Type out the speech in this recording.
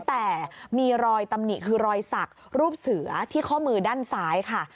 แต่มีรอยตำหนิคือรอยสักรูปเสือที่ข้อมือด้านซ้ายค่ะ